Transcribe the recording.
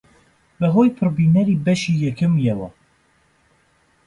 بەهۆی پڕبینەری بەشی یەکەمیەوە